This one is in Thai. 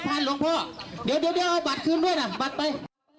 พันธุ์ลงพ่อเดี๋ยวเอาบัตรขึ้นด้วยน่ะบัตรไป